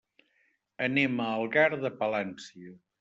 Anem a Algar de Palància.